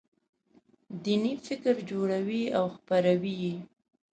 دیني فکر جوړوي او خپروي یې.